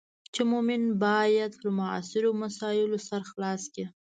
چې مومن باید پر معاصرو مسایلو سر خلاص کړي.